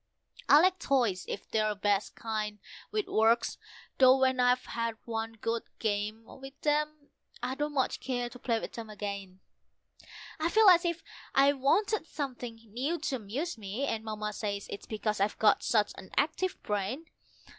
I like toys if they're the best kind, with works; though when I've had one good game with them, I don't much care to play with them again. I feel as if I wanted something new to amuse me, and Mamma says it's because I've got such an active brain.